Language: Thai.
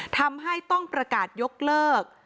ทำให้ต้องประกาศยกเลิก